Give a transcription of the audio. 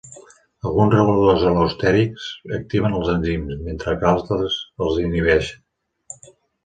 Alguns reguladors al·lostèrics activen els enzims, mentre que altres els inhibeixen.